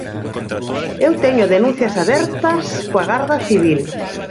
Eu teño denuncias abertas coa Garda Civil.